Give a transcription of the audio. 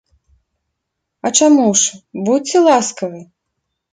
А чаму ж, будзьце ласкавы!